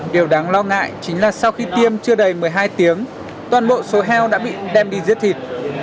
điều đáng lo ngại chính là sau khi tiêm chưa đầy một mươi hai tiếng toàn bộ số heo đã bị đem đi giết thịt